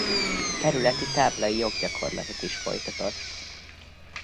Kerületi táblai joggyakorlatot is folytatott.